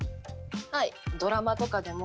はい。